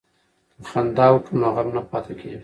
که خندا وکړو نو غم نه پاتې کیږي.